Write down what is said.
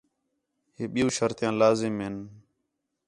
ہے بِیّو شرطیاں لازم ہِن